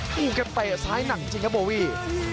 โอ้โหแกเตะซ้ายหนักจริงครับโบวี่